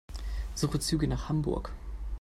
Suche Züge nach Hamburg.